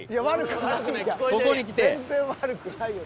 全然悪くないよ